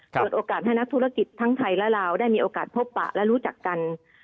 เปิดโอกาสให้นักธุรกิจทั้งไทยและลาวได้มีโอกาสพบปะและรู้จักกัน